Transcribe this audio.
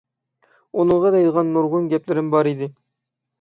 ئۇنىڭغا دەيدىغان نۇرغۇن گەپلىرىم بار ئىدى.